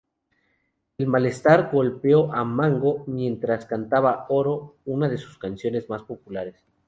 El malestar golpeó a Mango mientras cantaba "Oro", una de sus canciones más populares.